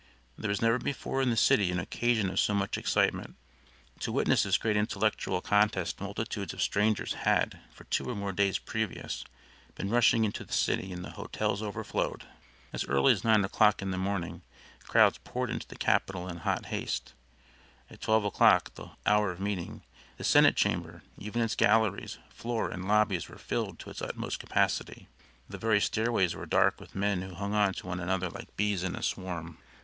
There was never before in the city an occasion of so much excitement. To witness this great intellectual contest multitudes of strangers had, for two or more days previous, been rushing into the city, and the hotels overflowed. As early as nine o'clock in the morning crowds poured into the capitol in hot haste; at twelve o'clock, the hour of meeting, the senate chamber, even its galleries, floor, and lobbies was filled to its utmost capacity. The very stairways were dark with men who hung on to one another like bees in a swarm.